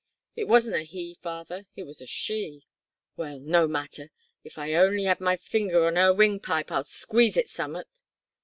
"It wasn't a he, father, it was a she." "Well, no matter, if I on'y had my fingers on her windpipe I'd squeeze it summat."